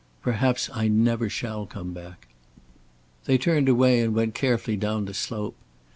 Perhaps I never shall come back." They turned away and went carefully down the slope.